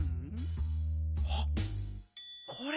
あっこれ！